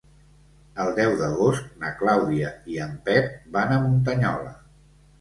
El deu d'agost na Clàudia i en Pep van a Muntanyola.